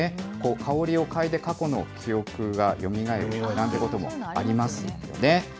香りを嗅いで過去の記憶がよみがえるなんてこともありますよね。